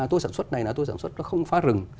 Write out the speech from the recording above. tôi sản xuất này là tôi sản xuất nó không phá rừng